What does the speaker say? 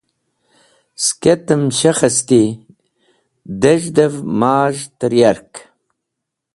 Sketem shekhesti, dez̃hdev maz̃h tẽr yark.